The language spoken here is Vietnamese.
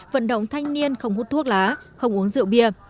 vận động thanh niên không hút thuốc lá không uống rượu bia